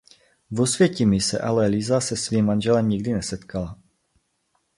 V Osvětimi se ale Lisa se svým manželem nikdy nesetkala.